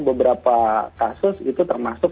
beberapa kasus itu termasuk